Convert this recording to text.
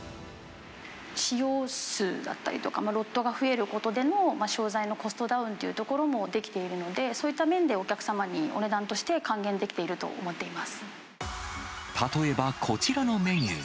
使用数だったりとか、ロットが増えることでの商材のコストダウンっていうところもできているので、そういった面でお客様にお値段として還元できている例えば、こちらのメニュー。